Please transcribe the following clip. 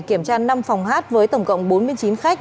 kiểm tra năm phòng hát với tổng cộng bốn mươi chín khách